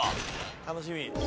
楽しみ。